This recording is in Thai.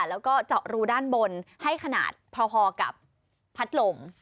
แล้วก็เจาะรูด้านบนให้ขนาดพอกับพัดลม